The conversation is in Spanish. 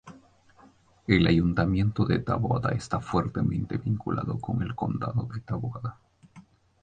El ayuntamiento de Taboada está fuertemente vinculado con el Condado de Taboada.